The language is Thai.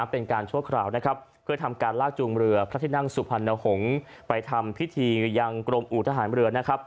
ชั่วคราวนะครับเพื่อทำการลากจูงเรือพระที่นั่งสุพรรณหงษ์ไปทำพิธียังกรมอู่ทหารเรือนะครับ